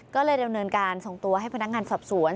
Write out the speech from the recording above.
ก็เลยดำเนินการส่งตัวให้พนักงานสอบสวน